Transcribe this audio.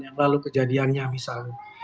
yang lalu kejadiannya misalnya